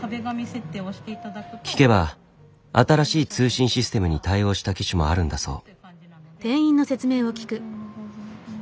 聞けば新しい通信システムに対応した機種もあるんだそう。